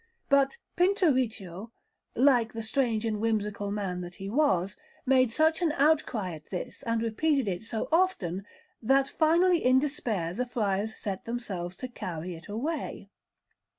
But Pinturicchio, like the strange and whimsical man that he was, made such an outcry at this, and repeated it so often, that finally in despair the friars set themselves to carry it away.